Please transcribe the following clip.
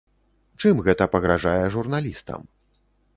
Чым гэта пагражае журналістам?